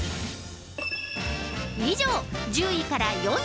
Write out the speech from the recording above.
以上、１０位から４位。